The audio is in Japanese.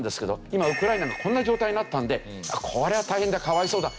今ウクライナがこんな状態になったのでこれは大変だかわいそうだ